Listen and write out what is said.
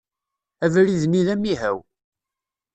Abrid-nni d amihaw.